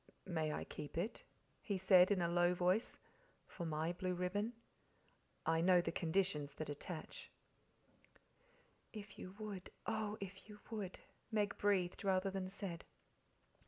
"May I keep it?" he said in a low voice. "For my blue ribbon? I know the conditions that attach." "If you would oh, if you would!" Meg breathed rather than said.